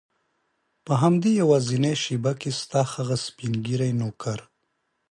په همدې یوازینۍ شېبه کې ستا هغه سپین ږیری نوکر.